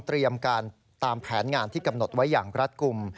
เตรียมการตามแผนงานที่กำหนดไว้อย่างรัฐกลุ่ม